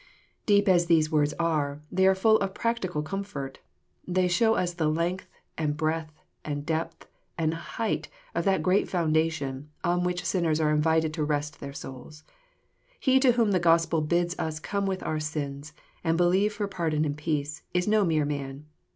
Deep as these words are, they are full of practical com fort. They show us the length, and breadth, and depth, and height of that great foundation, on which sinners are invited to rest their souls. He to whom the Gospel bids ns come with our sins, and believe for pardon and peace, is no mere man.